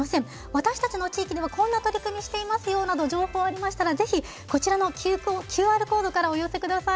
私たちの地域ではこんな取り組みしていますよなど情報ありましたらぜひこちらのＱＲコードからお寄せください。